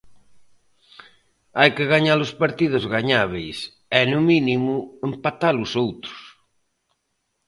Hai que gañar os partidos ganábeis e, no mínimo, empatar os outros.